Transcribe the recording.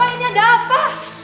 ada apa ini ada apa